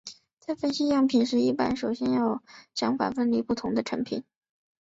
在分析样品时一般先要想法分离不同的成分。